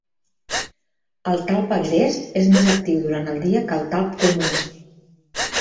El talp agrest és més actiu durant el dia que el talp comú.